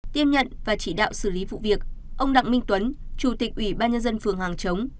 tiếp nhận và chỉ đạo xử lý vụ việc ông đặng minh tuấn chủ tịch ủy ban nhân dân phường hàng chống